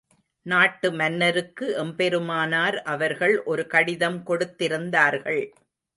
நாட்டு மன்னருக்கு எம்பெருமானார் அவர்கள் ஒரு கடிதம் கொடுத்திருந்தார்கள்.